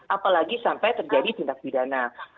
apalagi sampai terjadi tindak pidana